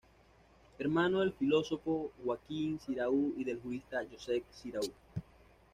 Hermano del filósofo Joaquín Xirau y del jurista Josep Xirau.